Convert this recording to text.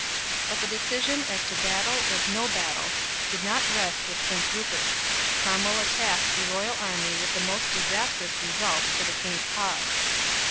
But the decision as to battle or no battle did not rest with Prince Rupert. Cromwell attacked the royal army with the most disastrous results to the King's cause.